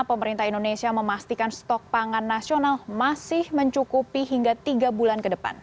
pemerintah indonesia memastikan stok pangan nasional masih mencukupi hingga tiga bulan ke depan